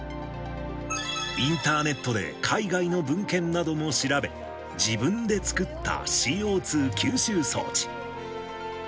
インターネットで海外の文献なども調べ、自分で作ったＣＯ２吸収装置。